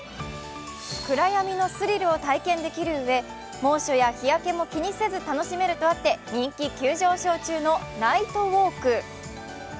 暗闇のスリルを体験できるうえ猛暑や日焼けも気にせず楽しめるとあって人気急上昇中のナイトウォーク。